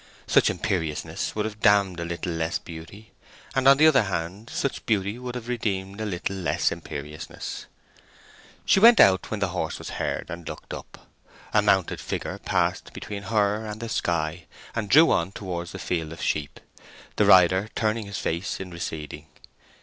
Such imperiousness would have damned a little less beauty; and on the other hand, such beauty would have redeemed a little less imperiousness. She went out when the horse was heard, and looked up. A mounted figure passed between her and the sky, and drew on towards the field of sheep, the rider turning his face in receding.